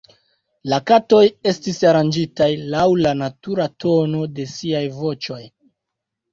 La katoj estis aranĝitaj laŭ la natura tono de siaj voĉoj.